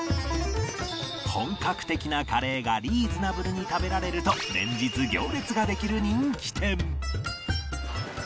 本格的なカレーがリーズナブルに食べられると連日行列ができる人気店